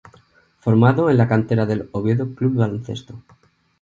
Formado en la cantera del Oviedo Club Baloncesto.